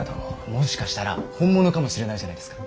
もしかしたら本物かもしれないじゃないですか。